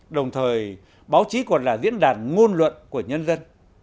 đồng thời báo chí còn là diễn đàn ngôn luận của nhân dân